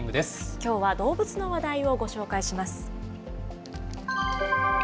きょうは動物の話題をご紹介します。